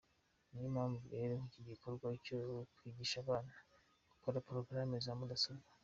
Niyo mpamvu rero y’iki gikorwa cyo kwigisha abana gukora porogaramu za mudasobwa.